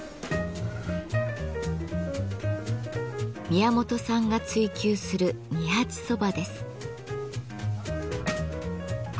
宮本さんが追求する二八蕎麦です。